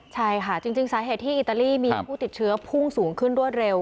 ใช่ค่ะจริงสาเหตุที่อิตาลีมีผู้ติดเชื้อพุ่งสูงขึ้นรวดเร็ว